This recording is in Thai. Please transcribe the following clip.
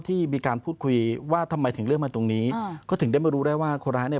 มันมีผู้หญิงมาหาเขาแล้วก็ออกไป